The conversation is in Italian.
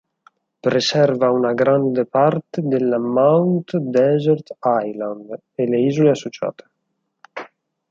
Preserva una grande parte della Mount Desert Island, e le isole associate.